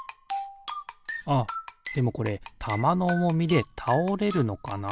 あっでもこれたまのおもみでたおれるのかな？